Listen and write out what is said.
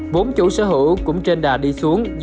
vốn chủ sở hữu cũng trên đà đi xuống